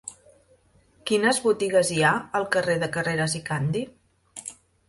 Quines botigues hi ha al carrer de Carreras i Candi?